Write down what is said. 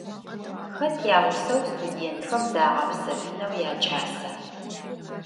Xet yağuseu studêntxem zağepsefıneu yaç'asa?